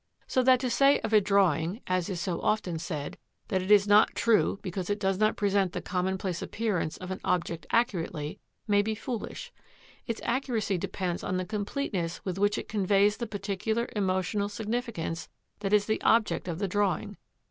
So that to say of a drawing, as is so often said, that it is not true because it does not present the commonplace appearance of an object accurately, may be foolish. Its accuracy depends on the completeness with which it conveys the particular emotional significance that is the object of the drawing.